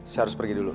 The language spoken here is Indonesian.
saya harus pergi dulu